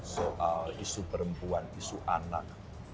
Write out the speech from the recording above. soal isu perempuan isu anak